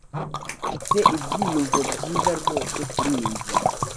Mfite ibyiyumvo byiza rwose kuriyi ngingo.